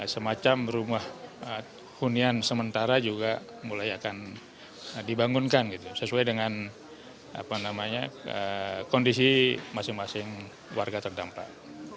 semacam rumah hunian sementara juga mulai akan dibangunkan sesuai dengan kondisi masing masing warga terdampak